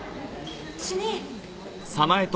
主任！